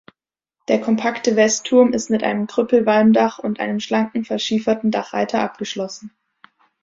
Der kompakte Westturm ist mit einem Krüppelwalmdach und einem schlanken verschieferten Dachreiter abgeschlossen.